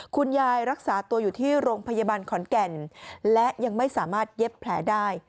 รักษาตัวอยู่ที่โรงพยาบาลขอนแก่นและยังไม่สามารถเย็บแผลได้